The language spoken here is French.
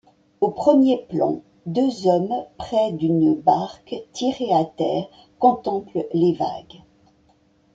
Au premier plan, deux hommes près d'une barque tirée à terre contemplent les vagues.